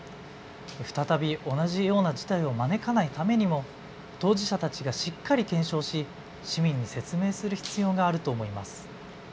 再び同じような事態を招かないためにも当事者たちがしっかり検証し市民に説明する必要があると思います。